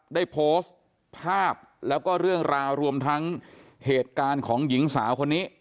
ได้โพสต์ภาพแล้วก็เรื่องราวรวมทั้งเหตุการณ์ของหญิงสาวคนนี้